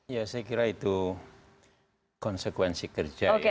ya saya kira itu konsekuensi kerja ya